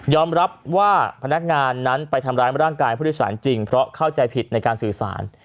รับว่าพนักงานนั้นไปทำร้ายร่างกายผู้โดยสารจริงเพราะเข้าใจผิดในการสื่อสาร